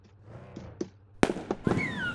神志的传说有抄袭黄帝时期仓颉造字的嫌疑。